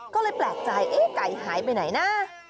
ก็เลยแปลกใจเอ๊ะไก่หายไปไหนนะ